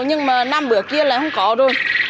nhưng mà năm bữa kia là không có rồi